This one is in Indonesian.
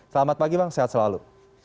selamat pagi bang sehat selalu